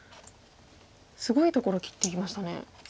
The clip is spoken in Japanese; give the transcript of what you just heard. すごいところ切っていきましたね。